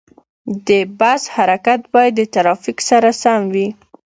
د بس حرکت باید د ترافیک سره سم وي.